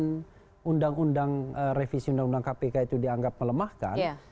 kemudian undang undang revisi undang undang kpk itu dianggap melemahkan